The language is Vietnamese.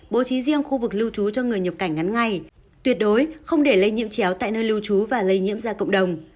bố trí riêng khu vực lưu trú cho người nhập cảnh ngắn ngay tuyệt đối không để lây nhiễm chéo tại nơi lưu trú và lây nhiễm ra cộng đồng